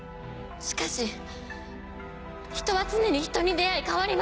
しかし人は常に人に出会い変わります。